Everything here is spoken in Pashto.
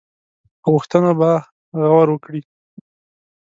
غوښتنو به غور وکړي.